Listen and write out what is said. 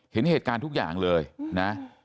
เห็นเหตุการณ์ทุกอย่างเลยนะ